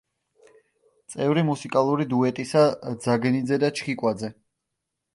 წევრი მუსიკალური დუეტისა ძაგნიძე და ჩხიკვაძე.